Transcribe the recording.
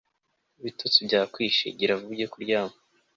ibitotsi byakwishe gira vuba ujye kuryama